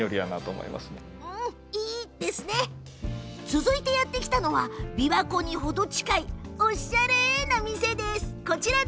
続いて、やって来たのは琵琶湖に程近いおっしゃれなお店。